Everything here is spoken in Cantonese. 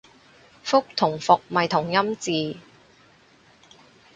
覆同復咪同音字